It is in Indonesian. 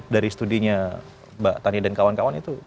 dari studinya mbak tani dan kawan kawan itu